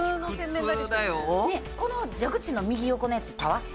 この蛇口の右横のやつたわし？